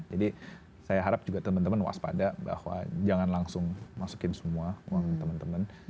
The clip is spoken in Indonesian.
jadi saya harap juga teman teman waspada bahwa jangan langsung masukin semua uang teman teman